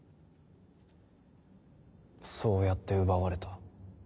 そうやって奪われた。